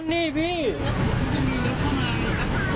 แล้วมันมีมาหรือยังผมมาจอดแป๊บเดียว